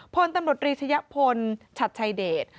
พตำรวจริยธยฃลชัตต์ชัยเดช